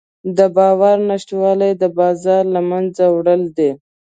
د باور نشتوالی د بازار له منځه وړل دي.